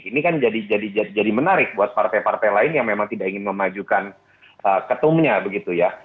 ini kan jadi menarik buat partai partai lain yang memang tidak ingin memajukan ketumnya begitu ya